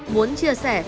muốn chia sẻ